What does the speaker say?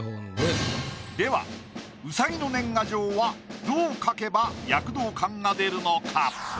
ではうさぎの年賀状はどう描けば躍動感が出るのか？